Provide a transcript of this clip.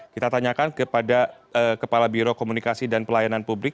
kita tanyakan kepada kepala biro komunikasi dan pelayanan publik